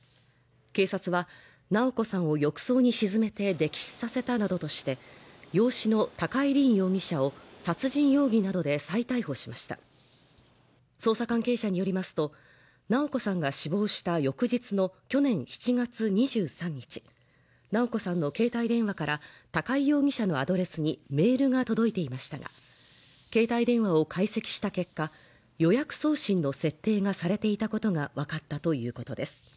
警察は直子さんを浴槽に沈めて溺死させたなどとして養子の高井凜容疑者を殺人容疑などで再逮捕しました捜査関係者によりますと直子さんが死亡した翌日の去年７月２３日直子さんの携帯電話から高井容疑者のアドレスにメールが届いていましたが携帯電話を解析した結果予約送信の設定がされていたことが分かったということです